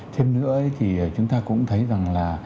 thêm nữa thì chúng ta cũng thấy rằng là